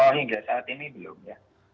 tidak saat ini belum ya